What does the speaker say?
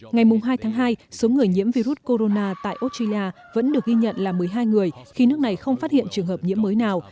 ngày hai tháng hai số người nhiễm virus corona tại australia vẫn được ghi nhận là một mươi hai người khi nước này không phát hiện trường hợp nhiễm mới nào